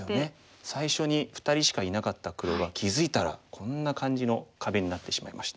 最初に２人しかいなかった黒が気付いたらこんな感じの壁になってしまいました。